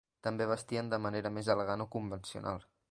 També vestien de manera més elegant o convencional.